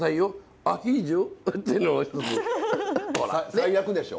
最悪でしょ？